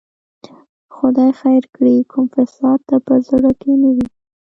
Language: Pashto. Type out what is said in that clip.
خدای خیر کړي، کوم فساد ته په زړه کې نه وي.